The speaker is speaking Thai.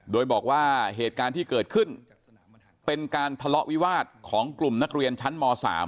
โดยบอกว่าเหตุการณ์ที่เกิดขึ้นเป็นการทะเลาะวิวาสของกลุ่มนักเรียนชั้นม๓